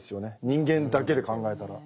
人間だけで考えたら。